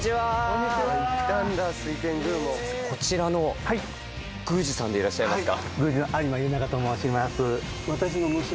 こちらの宮司さんでいらっしゃいますか？